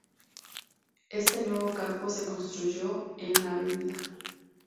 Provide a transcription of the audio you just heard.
Este nuevo campo se construyó en la Av.